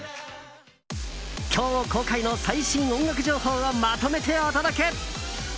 今日公開の最新音楽情報をまとめてお届け。